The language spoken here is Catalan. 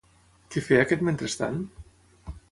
Què feia aquest mentrestant?